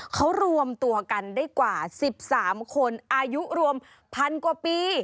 เขารวมตัวกันได้กว่า๑๓คนอายุรวมพันกว่าปี